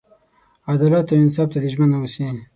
عدالت او انصاف ته دې ژمن ووسي.